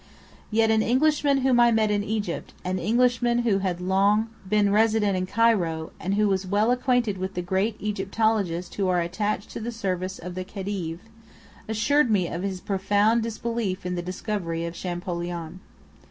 Yet an Englishman whom I met in Egypt – an Englishman who had long been resident in Cairo, and who was well acquainted with the great Egyptologists who are attached to the service of the Khedive – assured me of his profound disbelief in the discovery of Champollion.